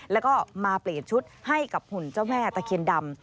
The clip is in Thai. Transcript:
แล้วก็มาเปลี่ยนชุดให้กับหุ่นเจ้าแม่ตะเคียนดำ